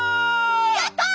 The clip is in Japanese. やった！